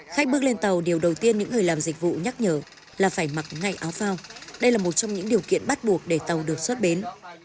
khách bước lên tàu điều đầu tiên những người làm dịch vụ nhắc nhở là phải mặc ngay áo phao đây là một trong những điều kiện bắt buộc để tàu được xuất bến